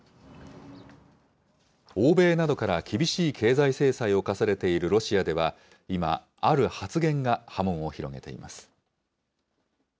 欧米などから厳しい経済制裁を科されているロシアでは、今、ある発言が波紋を広げています。